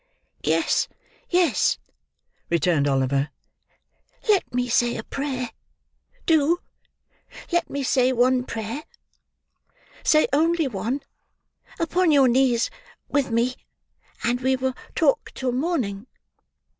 "Yes, yes," returned Oliver. "Let me say a prayer. Do! Let me say one prayer. Say only one, upon your knees, with me, and we will talk till morning."